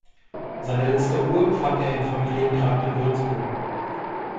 Seine letzte Ruhe fand er im Familiengrab in Würzburg.